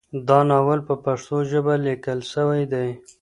دا ناول په پښتو ژبه لیکل شوی دی.